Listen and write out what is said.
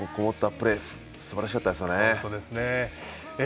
プレーすばらしかったですよね。